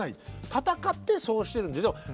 戦ってそうしてるんですね。